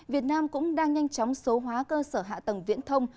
việt nam cũng đang nhanh chóng số hóa cơ sở hạ tầng viễn thông